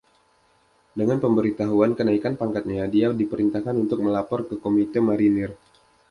Dengan pemberitahuan kenaikan pangkatnya, dia diperintahkan untuk melapor ke Komite Marinir.